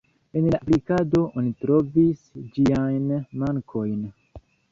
En la aplikado oni trovis ĝiajn mankojn.